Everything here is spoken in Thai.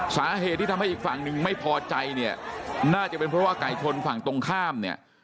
สาเหตุที่ทำให้อีกฝั่งหนึ่งไม่พอใจเนี่ยน่าจะเป็นเพราะว่าไก่ชนฝั่งตรงข้ามเนี่ย